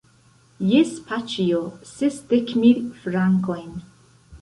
Jes, paĉjo, sesdek mil frankojn.